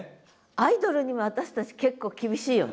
アイドルにも私たち結構厳しいよね。